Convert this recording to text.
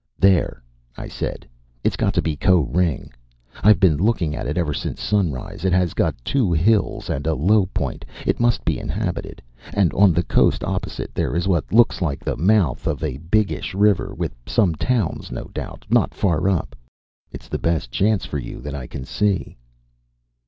"There," I said. "It's got to be Koh ring. I've been looking at it ever since sunrise. It has got two hills and a low point. It must be inhabited. And on the coast opposite there is what looks like the mouth of a biggish river with some towns, no doubt, not far up. It's the best chance for you that I can see."